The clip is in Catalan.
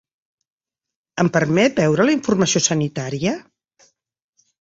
Em permet veure la informació sanitària?